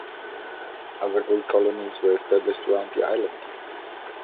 Other Greek colonies were established around the island.